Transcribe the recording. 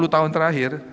dua puluh tahun terakhir